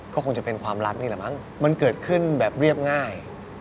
ก็คงจะเป็นความรักนี่แหละมั้งมันเกิดขึ้นแบบเรียบง่าย